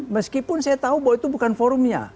meskipun saya tahu bahwa itu bukan forumnya